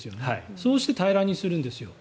そうして平らにするんですよ。